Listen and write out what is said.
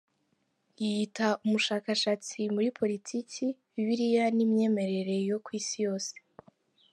Yiyita umushakashatsi muri Politiki, Bibiliya n’imyemerere yo ku Isi yose.